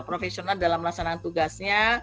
profesional dalam melaksanakan tugasnya